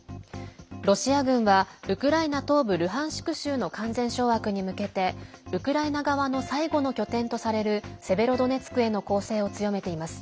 ロシア軍はウクライナ東部ルハンシク州の完全掌握に向けてウクライナ側の最後の拠点とされるセベロドネツクへの攻勢を強めています。